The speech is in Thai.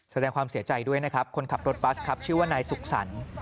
แสดงความเสียใจด้วยนะครับคนขับรถบัสครับชื่อว่านายสุขสรรค์